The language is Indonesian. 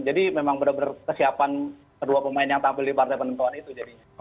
jadi memang benar benar kesiapan kedua pemain yang tampil di partai penonton itu jadinya